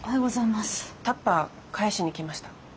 タッパー返しに来ました。